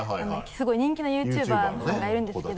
すごい人気なＹｏｕＴｕｂｅｒの人がいるんですけど。